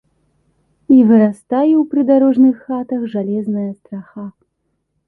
І вырастае ў прыдарожных хатах жалезная страха.